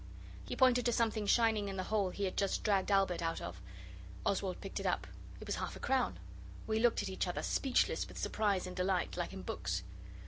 He pointed to something shining in the hole he had just dragged Albert out of. Oswald picked it up. It was a half crown. We looked at each other, speechless with surprise and delight, like in books.